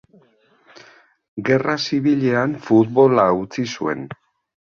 Gerra Zibilean futbola utzi zuen.